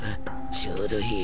ちょうどいい。